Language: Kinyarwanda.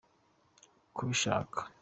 kubishaka.